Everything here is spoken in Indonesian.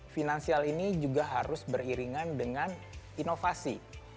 finansial ini juga harus beriringan dengan inovasi